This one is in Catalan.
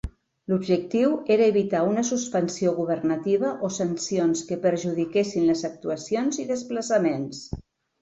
L'objectiu era evitar una suspensió governativa o sancions que perjudiquessin les actuacions i desplaçaments.